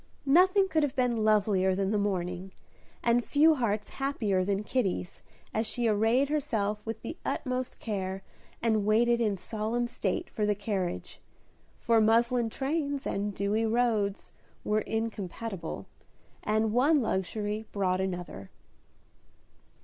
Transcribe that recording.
Nothing could have been lovelier than the morning, and few hearts happier than Kitty's, as she arrayed herself with the utmost care, and waited in solemn state for the carriage; for muslin trains and dewy roads were incompatible, and one luxury brought another.